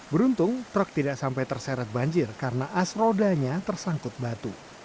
beruntung truk tidak sampai terseret banjir karena as rodanya tersangkut batu